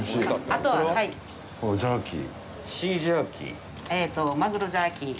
あっ、ジャーキー！